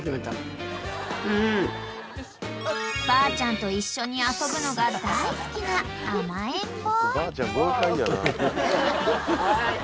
［ばあちゃんと一緒に遊ぶのが大好きな甘えん坊］